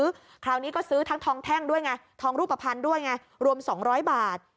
คราวนี้ก็ซื้อทั้งทองแท่งด้วยไงทองรูปภัณฑ์ด้วยไงรวม๒๐๐บาท